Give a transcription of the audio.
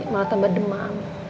malah tambah demam